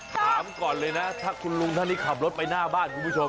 ถามก่อนเลยนะถ้าคุณลุงท่านนี้ขับรถไปหน้าบ้านคุณผู้ชม